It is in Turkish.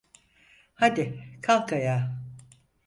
Hadi, kalk ayağa!